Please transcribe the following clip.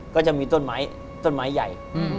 ก็จะมีต้นไม้ต้นไม้ใหญ่